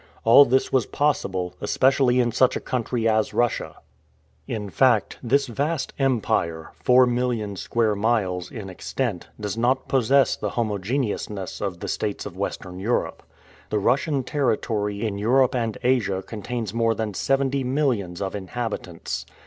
All this was possible, especially in such a country as Russia. In fact, this vast empire, 4,000,000 square miles in extent, does not possess the homogeneousness of the states of Western Europe. The Russian territory in Europe and Asia contains more than seventy millions of inhabitants.